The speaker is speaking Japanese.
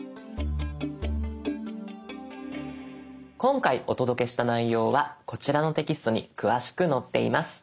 今回お届けした内容はこちらのテキストに詳しく載っています。